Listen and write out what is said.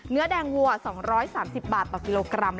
เนื้อแดงวัว๒๓๐บาทต่อกิโลกรัม